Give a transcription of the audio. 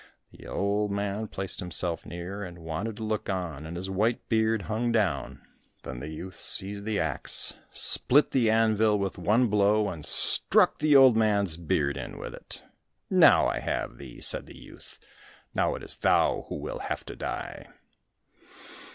The old man placed himself near and wanted to look on, and his white beard hung down. Then the youth seized the axe, split the anvil with one blow, and struck the old man's beard in with it. "Now I have thee," said the youth. "Now it is thou who will have to die."